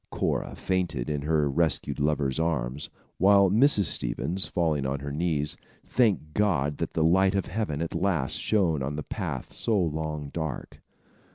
Cora fainted in her rescued lover's arms, while Mrs. Stevens, falling on her knees, thanked God that the light of Heaven at last shone on the path so long dark.